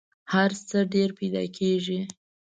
هر څه ډېر پیدا کېږي .